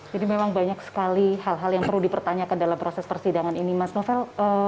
jadi memang banyak sekali hal hal yang perlu dipertanyakan dalam proses persidangan ini mas novel